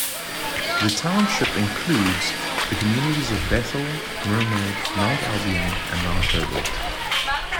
The township includes the communities of Bethel, Mermaid, Mount Albion and Mount Herbert.